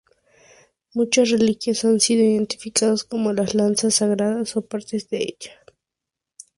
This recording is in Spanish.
Muchas reliquias han sido identificadas como la lanza sagrada o partes de ella.